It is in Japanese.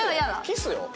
キスよ？